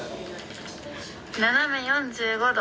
斜め４５度。